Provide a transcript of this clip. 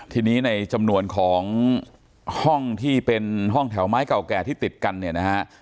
ทีนี้ในจำนวนของห้องที่เป็นห้องแถวไม้เก่าแก่ที่ติดกันเนี่ยนะฮะ